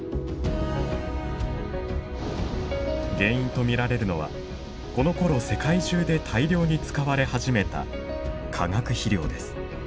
原因と見られるのはこのころ世界中で大量に使われ始めた化学肥料です。